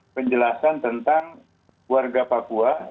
penjelasan tentang warga papua